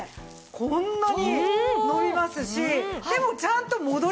こんなに伸びますしでもちゃんと戻りますもんね。